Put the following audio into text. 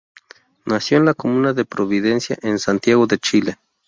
Nació en la comuna de Providencia, en Santiago de Chile.